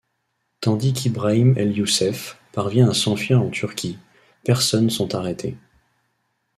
Tandis qu'Ibrahim el-Youssef parvient à s'enfuir en Turquie, personnes sont arrêtées.